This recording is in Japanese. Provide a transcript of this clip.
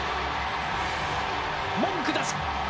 文句なし！